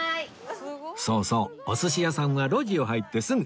そうそうお寿司屋さんは路地を入ってすぐ！